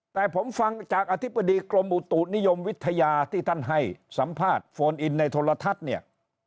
แต่ผมฟังจากอธิบดีกรมอุตุนิยมวิทยาที่ท่านให้สัมภาษณ์โฟนอินในโทรทัศน์เนี่ย